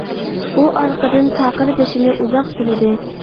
ئۇ ئارقىدىن تاقىر بېشىنى ئۇزاق سىلىدى.